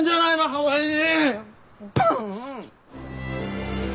ハワイに。